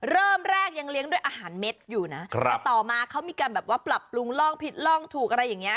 เริ่มแรกยังเลี้ยงด้วยอาหารเม็ดอยู่นะแต่ต่อมาเขามีการแบบว่าปรับปรุงล่องผิดร่องถูกอะไรอย่างเงี้